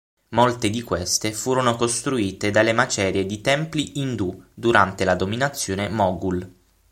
Molte di queste furono costruite dalle macerie di templi indù durante la dominazione moghul.